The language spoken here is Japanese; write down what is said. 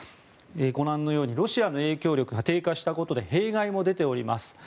ご覧のようにロシアの影響力が低下したことで弊害も出ております。